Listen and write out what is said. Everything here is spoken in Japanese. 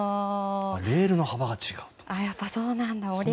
レールの幅が違う。